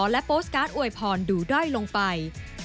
และโพสต์การ์ดอวยพรดูด้อยลงไป